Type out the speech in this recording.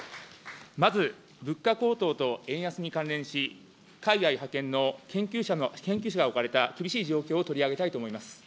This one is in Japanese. まず、物価高騰と円安に関連し、海外派遣の研究者が置かれた厳しい状況を取り上げたいと思います。